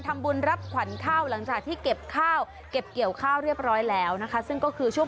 การรับผ่านข่าวหลังจากที่เก็บข้าวเก็บเกี่ยวข้าวเรียบร้อยแล้วสิ่ง